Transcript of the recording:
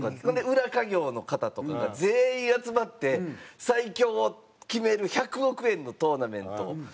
ほんで裏稼業の方とかが全員集まって最強を決める１００億円のトーナメントを。